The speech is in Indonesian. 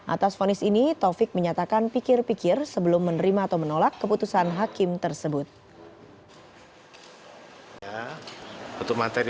atas fonis ini taufik menyatakan pikir pikir sebelum menerima atau menolak keputusan hakim tersebut